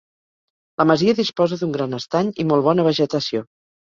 La masia disposa d’un gran estany i molt bona vegetació.